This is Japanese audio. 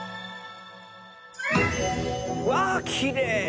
わあきれい！